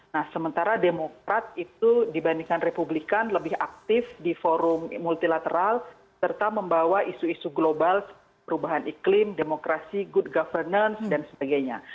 nah sementara demokrat itu dibandingkan republikan lebih aktif di forum multilateral serta membawa isu isu global perubahan iklim demokrasi good governance dan sebagainya